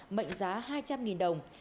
mệnh giá hai trăm linh đồng